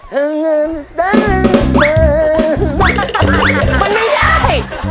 เพราะว่าอย่างไรนะครับ